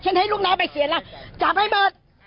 ฉันให้ลูกน้อยไปเสียแล้วจับให้หมด